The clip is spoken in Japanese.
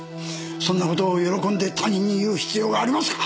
そんなことを喜んで他人に言う必要がありますか！